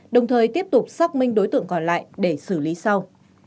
đồng thời tiếp tục xác minh đối tượng còn lại để xử lý sau